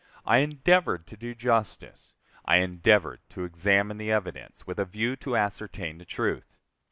I endeavored to do justice. I endeavored to examine the evidence with a view to ascertain the truth.